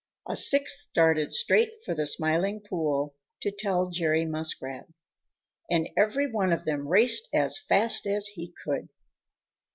A sixth started straight for the Smiling Pool to tell Jerry Muskrat. And every one of them raced as fast as he could.